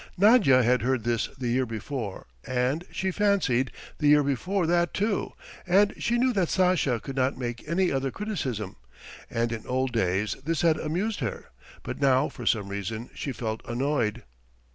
Nadya had heard this the year before and, she fancied, the year before that too, and she knew that Sasha could not make any other criticism, and in old days this had amused her, but now for some reason she felt annoyed.